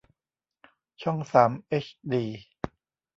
ช่องสามเอชดี